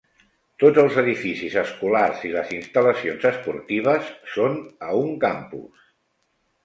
Tots els edificis escolars i les instal·lacions esportives són a un campus.